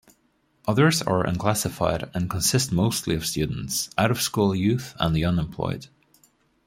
Others are unclassified and consist mostly of students, out-of-school youth and the unemployed.